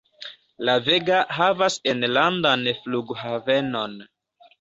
La Vega havas enlandan flughavenon.